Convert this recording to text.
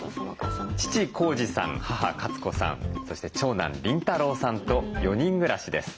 父・紘二さん母・カツ子さんそして長男・凛太郎さんと４人暮らしです。